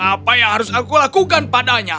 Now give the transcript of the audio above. apa yang harus aku lakukan padanya